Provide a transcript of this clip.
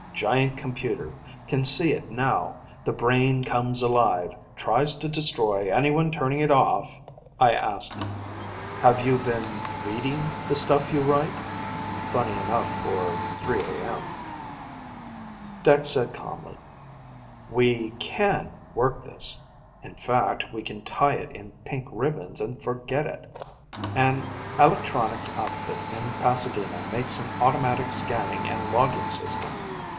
"Giant computer ... can see it now: the brain comes alive, tries to destroy anyone turning it off " I asked: "Have you been reading the stuff you write?" Funny enough for 3 A.M. Dex said calmly, "We can work this in fact, we can tie it in pink ribbons and forget it. An electronics outfit in Pasadena makes an automatic scanning and logging system.